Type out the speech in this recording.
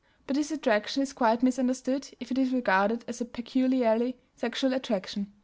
But this attraction is quite misunderstood if it is regarded as a peculiarly sexual attraction.